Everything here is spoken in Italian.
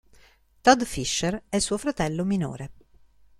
Todd Fisher è suo fratello minore.